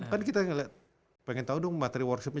kan kita ngeliat pengen tau dong materi workshopnya